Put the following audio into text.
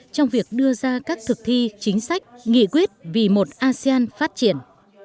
trong việc đưa ra các thực thi chính sách nghị quyết vì một asean phát triển